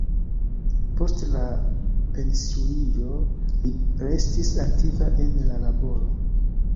Post la pensiuliĝo li restis aktiva en la laboro.